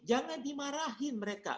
jangan dimarahin mereka